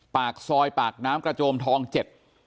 ปากซอยปากน้ำกระโจมทองเจ็ด